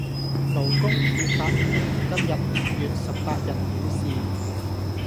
勞工處發言人今日（五月十八日）表示